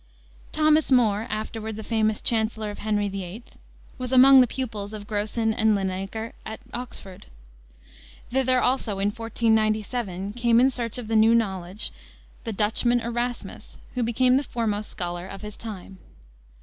Thomas More, afterward the famous chancellor of Henry VIII., was among the pupils of Grocyn and Linacre at Oxford. Thither also, in 1497, came in search of the new knowledge, the Dutchman, Erasmus, who became the foremost scholar of his time.